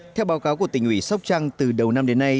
theo báo cáo của tỉnh ủy sóc trăng từ đầu năm đến nay